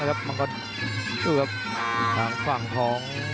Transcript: หัวร้อนทางธอง